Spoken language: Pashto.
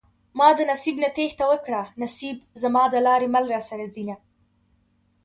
ما د نصيب نه تېښته وکړه نصيب زما د لارې مل راسره ځينه